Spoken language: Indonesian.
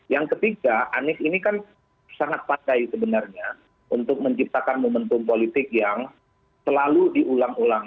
yang ketiga anies ini kan sangat pandai sebenarnya untuk menciptakan momentum politik yang selalu diulang ulang